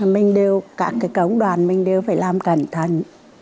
mình đều các cái cống đoàn mình đều phải làm cẩn thận